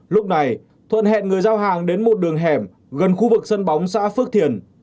lúc này thuận hẹn người giao hàng đến một đường hẻm gần khu vực sân bóng xã phước thiền